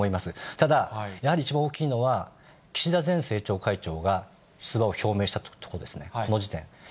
ただ、やはり一番大きいのは、岸田前政調会長が出馬を表明したということですね、この時点。